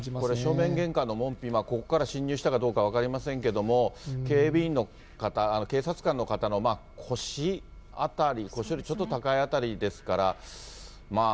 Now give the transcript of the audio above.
正面玄関の門扉、ここから侵入したかどうかは分かりませんけれども、警備員の方、警察官の方の腰辺り、腰よりちょっと高いあたりですから、まあ、